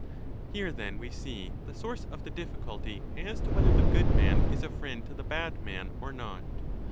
II 1209= Here, then, we see the source of the difficulty as to whether the good man is a friend to the bad man or not.